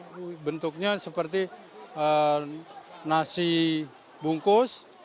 bantuan yang bentuknya seperti nasi bungkus